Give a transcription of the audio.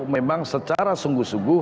memang secara sungguh sungguh